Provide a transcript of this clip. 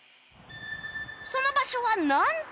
その場所はなんと